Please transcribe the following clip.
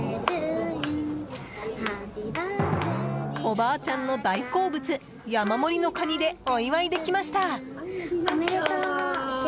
おばあちゃんの大好物山盛りのカニでお祝いできました。